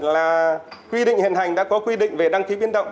là quy định hiện hành đã có quy định về đăng ký biến động